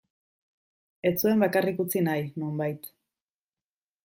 Ez zuen bakarrik utzi nahi, nonbait.